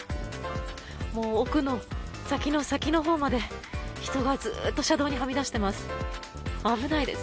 奥の先の先のほうまで人がずっと車道にはみ出しています。